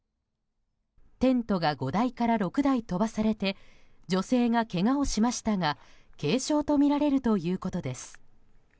テントが５台から６台飛ばされて女性がけがをしましたが軽傷とみられるということです。